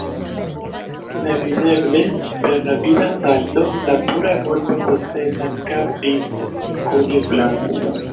Nevideble, per rapida salto, la pura vulpo sukcesas kapti kuniklon.